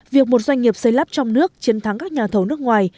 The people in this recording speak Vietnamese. việc một doanh nghiệp xây lắp trong nước chiến thắng các nhà thầu nước ngoài